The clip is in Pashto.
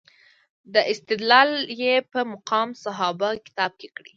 دا استدلال یې په مقام صحابه کتاب کې کړی.